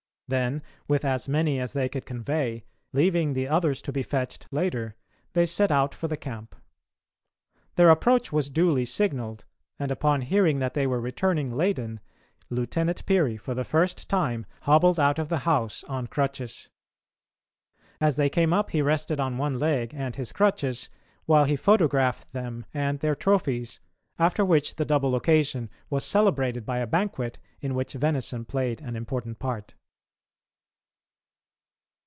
Then, with as many as they could convey, leaving the others to be fetched later, they set out for the camp. Their approach was duly signalled, and upon hearing that they were returning laden, Lieutenant Peary, for the first time, hobbled out of the house on crutches. As they came up he rested on one leg and his crutches, while he photographed them and their trophies, after which the double occasion was celebrated by a banquet in which venison played an important part.